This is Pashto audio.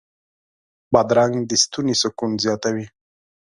بادرنګ د ستوني سکون زیاتوي.